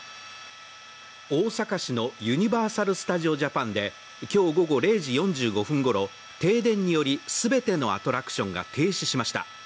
大阪市のユニバーサル・スタジオ・ジャパンで今日午後０時４５分ごろ停電により全てのアトラクションが停止しました。